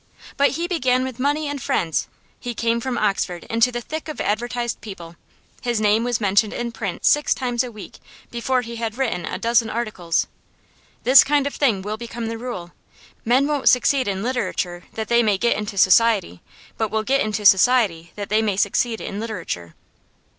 But he began with money and friends; he came from Oxford into the thick of advertised people; his name was mentioned in print six times a week before he had written a dozen articles. This kind of thing will become the rule. Men won't succeed in literature that they may get into society, but will get into society that they may succeed in literature.